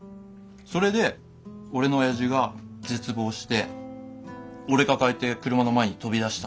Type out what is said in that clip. それで俺の親父が絶望して俺抱えて車の前に飛び出したとか。